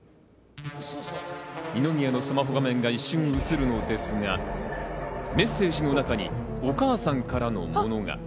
二宮のスマホ画面が一瞬映るのですがメッセージの中にお母さんからのものが。